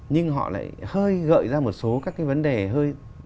nhưng họ lại hơi gợi ra một số các cái vấn đề hơi